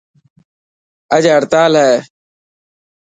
اڄ هڙتال هي.